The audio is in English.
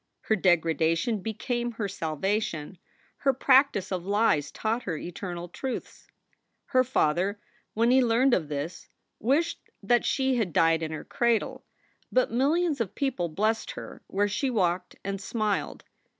Her degradation became her salvation; her practice of lies taught her eternal truths. Her father, when he learned of this, wished that she had died in her cradle. But millions of people blessed her where she walked and smiled.